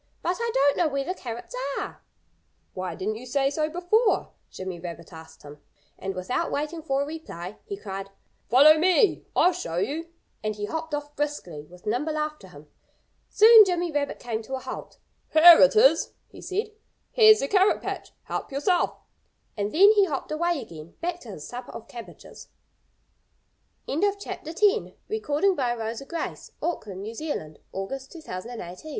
"But I don't know where the carrots are." "Why didn't you say so before?" Jimmy Rabbit asked him. And without waiting for a reply he cried, "Follow me! I'll show you." And he hopped off briskly, with Nimble after him. Soon Jimmy Rabbit came to a halt. "Here it is!" he said. "Here's the carrot patch. Help yourself!" And then he hopped away again, back to his supper of cabbages. [Illustration: Nimble Deer Followed Jimmy Rabbit. Page 57] Nimble Deer began to eat the carrot tops.